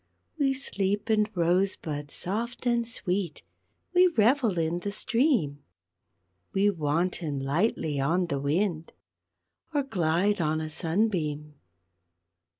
_ _We sleep in rose buds soft and sweet, We revel in the stream, We wanton lightly on the wind, Or glide on a sunbeam.